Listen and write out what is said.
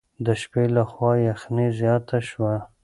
د شپې له خوا یخني زیاته شوه.